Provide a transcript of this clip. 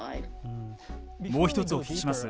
もう一つ、お聞きします。